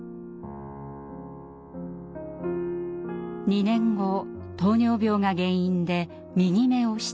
２年後糖尿病が原因で右目を失明。